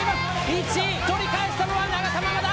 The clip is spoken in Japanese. １位、取り返したのは永田ママだ！